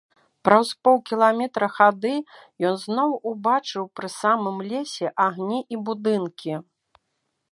Праз паўкіламетра хады ён зноў убачыў пры самым лесе агні і будынкі.